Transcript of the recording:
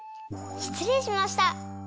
しつれいしました！